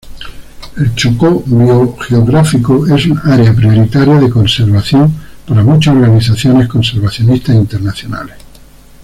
El Chocó biogeográfico es un área prioritaria de conservación para muchas organizaciones conservacionistas internacionales.